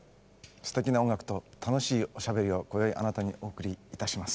すてきな音楽と楽しいおしゃべりを今宵あなたにお送りいたします。